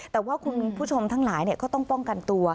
แต่ว่าคุณผู้ชมทั้งหลายก็ต้องป้องกันตัว